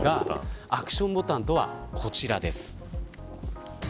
アクションボタンとはこちらです。